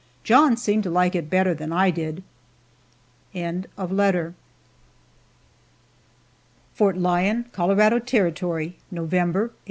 John seemed to like it better than I did. FORT LYON, COLORADO TERRITORY, November, 1871.